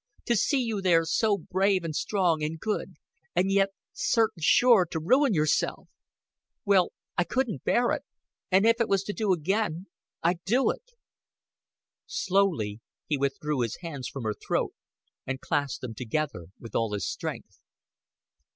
To see you there so brave and strong and good and yet certain sure to ruin yourself! Well, I couldn't bear it. And if it was to do again, I'd do it." Slowly he withdrew his hands from her throat, and clasped them together with all his strength.